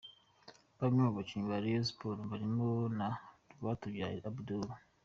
Bamwe mu bakinnyi ba Rayon Sports barimo na Rwatubyaye Abdul .